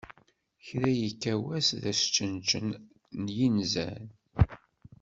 Kra yekka wass d asčenčen, n yinzan.